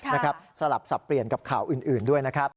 นะครับสลับสับเปลี่ยนกับข่าวอื่นด้วยนะครับ